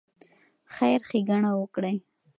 خیر ښېګڼه وکړئ.